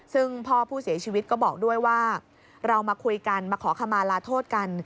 ซึ่งพ่อผู้เสียชีวิตก็บอกด้วยว่าเรามาคุยกันมาขอขมาลาโทษกัน